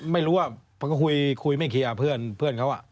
ไม่รู้อ่ะเพราะก็คุยไม่เคลียร์เพื่อนเค้าอ่ะ